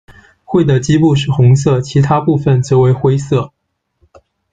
喙的基部是红色，其他部分则为灰色。